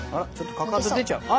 ちょっとかかと出ちゃう。